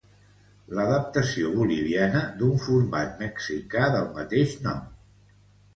L'adaptació boliviana d'un format mexicà del mateix nom.